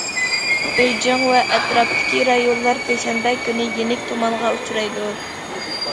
بېيجىڭ ۋە ئەتراپتىكى رايونلار پەيشەنبە كۈنى يېنىك تۇمانغا ئۇچرايدۇ.